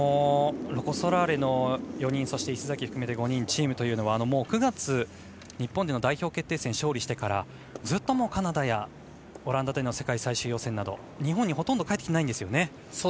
ロコ・ソラーレの４人そして石崎含めて５人このチームというのは、９月日本での代表決定戦に勝利してから、ずっとカナダやオランダでの世界最終予選など日本に、ほとんど帰ってきてないんですよね。